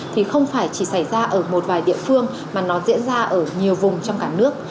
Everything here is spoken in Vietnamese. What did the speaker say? thì không phải chỉ xảy ra ở một vài địa phương mà nó diễn ra ở nhiều vùng trong cả nước